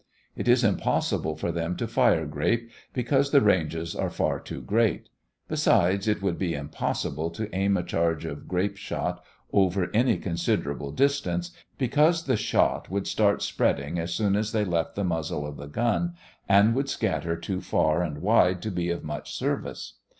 It is impossible for them to fire grape, because the ranges are far too great; besides, it would be impossible to aim a charge of grape shot over any considerable distance, because the shot would start spreading as soon as they left the muzzle of the gun and would scatter too far and wide to be of much service.